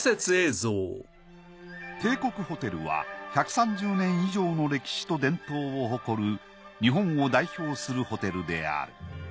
帝国ホテルは１３０年以上の歴史と伝統を誇る日本を代表するホテルである。